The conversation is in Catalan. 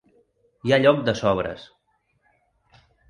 Hi ha lloc de sobres.